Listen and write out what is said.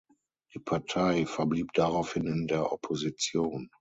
Die Partei verblieb daraufhin in der Opposition.